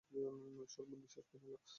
সুরমা নিশ্বাস ফেলিল।